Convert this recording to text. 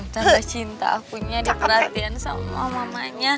tanda cinta akunya diperhatikan sama mamanya